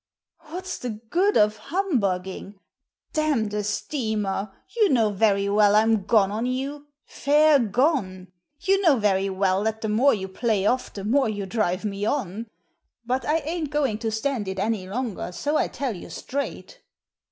"What's the good of humbugging? Damn the steamer! You know very well I'm gone on you — fair gone ! You know very well that the more you play off the more you drive me on. But I ain't going to stand it any longer, so I tell you straight."